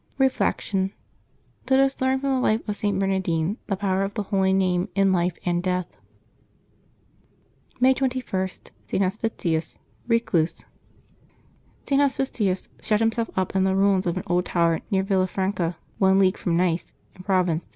Reflection. — Let us learn from the life of St. Bernardine the power of the Holy Name in life and death. May 21.— ST. HOSPITIUS, Recluse. |T. HospiTius shut himself up in the ruins of an old tower near Villafranca, one league from Nice in Pro vence.